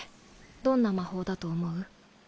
どんな魔法だと思う？